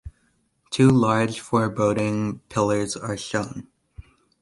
Two large, foreboding pillars are shown.